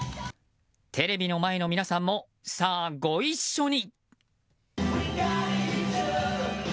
テレビの前の皆さんもさあ、ご一緒に！